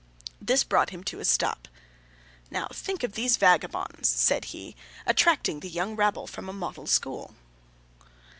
This brought him to a stop. 'Now, to think of these vagabonds,' said he, 'attracting the young rabble from a model school.